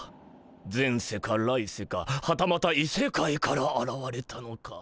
前世か来世かはたまた異世界からあらわれたのか。